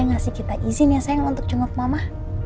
saya ngasih kita izin ya sayang untuk jengkuk mama